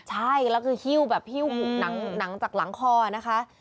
ใช่แล้วคือฮิ้วแบบหิ้วหนังจากหลังคอนะคะ